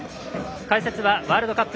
解説はワールドカップ